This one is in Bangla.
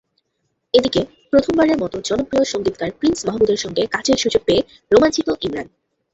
এদিকে, প্রথমবারের মতো জনপ্রিয় সংগীতকার প্রিন্স মাহমুদের সঙ্গে কাজের সুযোগ পেয়ে রোমাঞ্চিত ইমরান।